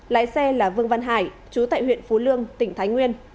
lái xe là vương văn hải chú tại huyện phú lương tỉnh thái nguyên